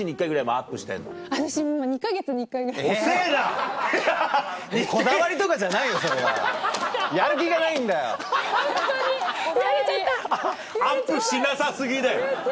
アップしなさ過ぎだよ。